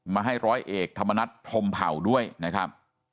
มาให้ร้อยเอกธรรมนัฐพรมเผ่าด้วยนะครับ